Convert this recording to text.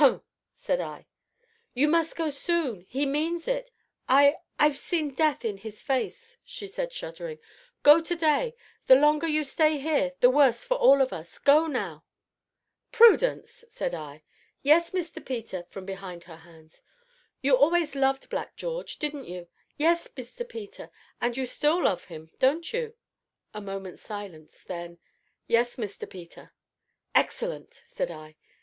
"Hum!" said I. "You must go soon; he means it, I I've seen death in his face," she said, shuddering; "go to day the longer you stay here the worse for all of us go now." "Prudence!" said I. "Yes, Mr. Peter!" from behind her hands. "You always loved Black George, didn't you?" "Yes, Mr. Peter." "And you love him still, don't you?" A moment's silence, then: "Yes, Mr. Peter." "Excellent!" said I.